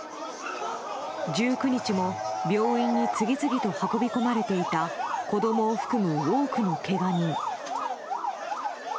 １９日も病院に次々と運び込まれていた子供を含む多くのけが人。